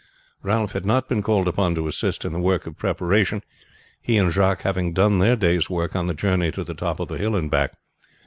Ralph had not been called upon to assist in the work of preparation, he and Jacques having done their day's work on the journey to the top of the hill and back.